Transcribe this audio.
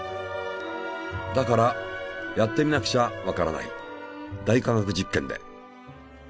だからやってみなくちゃわからない「大科学実験」で。